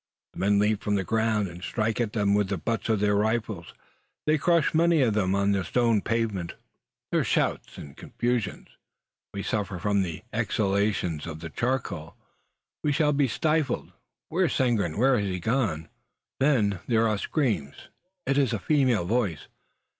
The men leap from the ground, and strike at them with the butts of their rifles. They crush many of them on the stone pavement. There are shouts and confusion. We suffer from the exhalations of the charcoal. We shall be stifled. Where is Seguin? Where has he gone? Hark! There are screams! It is a female voice!